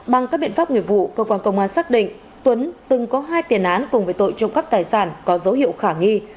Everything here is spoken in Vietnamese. bằng các biện pháp nghiệp vụ cơ quan công an xác định tuấn từng có hai tiền án cùng với tội trộm cắp tài sản có dấu hiệu khả nghi